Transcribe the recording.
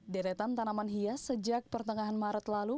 deretan tanaman hias sejak pertengahan maret lalu